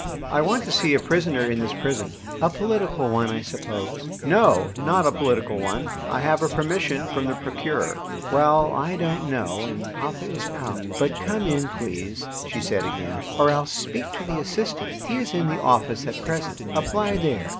"I want to see a prisoner in this prison." "A political one, I suppose?" "No, not a political one. I have a permission from the Procureur." "Well, I don't know, and papa is out; but come in, please," she said, again, "or else speak to the assistant. He is in the office at present; apply there.